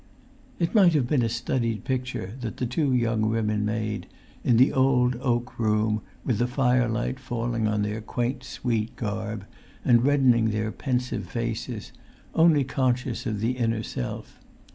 It might have been a studied picture that the two young women made, in the old oak room, with the firelight falling on their quaint sweet garb, and reddening their pensive faces, only conscious of the inner self.